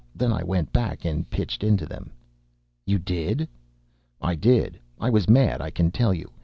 Then I went back and pitched into them." "You did?" "I did. I was mad, I can tell you.